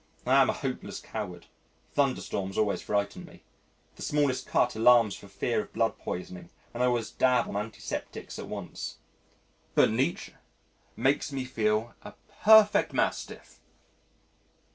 I am a hopeless coward. Thunderstorms always frighten me. The smallest cut alarms for fear of blood poisoning, and I always dab on antiseptics at once. But Nietzsche makes me feel a perfect mastiff.